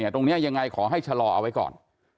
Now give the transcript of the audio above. ตรงนี้ยังไงขอให้ชะลอเอาไว้ก่อน